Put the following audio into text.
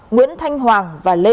nguyễn thanh hoàng và lê minh thuấn